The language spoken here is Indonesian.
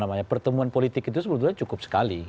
karena pertemuan politik itu sebenarnya cukup sekali